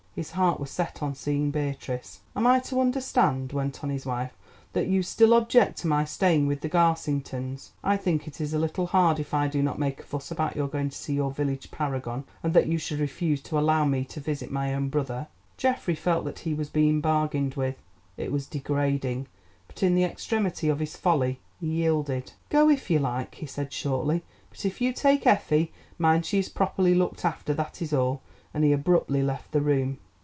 His heart was set on seeing Beatrice. "Am I to understand," went on his wife, "that you still object to my staying with the Garsingtons? I think it is a little hard if I do not make a fuss about your going to see your village paragon, that you should refuse to allow me to visit my own brother." Geoffrey felt that he was being bargained with. It was degrading, but in the extremity of his folly he yielded. "Go if you like," he said shortly, "but if you take Effie, mind she is properly looked after, that is all," and he abruptly left the room.